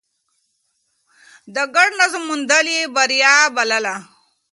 د ګډ نظر موندل يې بريا بلله.